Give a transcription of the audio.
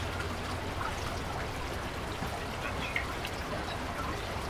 该物种的模式产地在长崎和日本。